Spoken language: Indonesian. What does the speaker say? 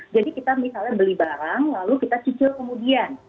jadi kita misalnya beli barang lalu kita cicil kemudian